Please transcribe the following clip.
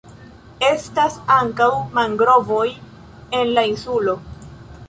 Estas ankaŭ mangrovoj en la insulo.